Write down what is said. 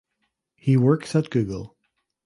He works at Google.